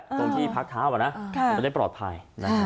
ตรงที่พักเท้ามันจะได้ปลอดภัย